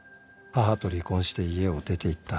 母と離婚して家を出ていった